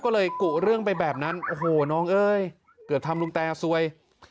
ก็เลยกุเรื่องไปแบบนั้นโอ้โหน้องเอ้ยเกือบทำลุงแตซวย